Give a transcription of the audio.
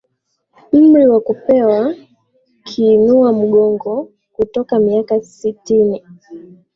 mri wa kupewa kiinua mgongo kutoka miaka sitini